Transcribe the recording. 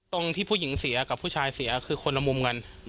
ตรงที่ผู้หญิงเสียกับผู้ชายเสียคือคนละมุมกัน